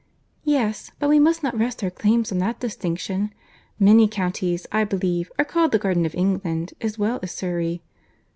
"Yes; but we must not rest our claims on that distinction. Many counties, I believe, are called the garden of England, as well as Surry."